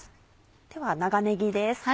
では長ねぎです。